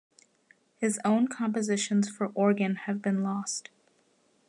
His own compositions for organ have been lost.